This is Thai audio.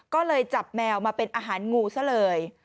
ก็เลยจับแมวมาเป็นอาหารงูซะเลย